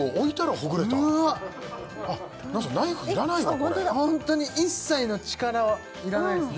これホントに一切の力いらないですね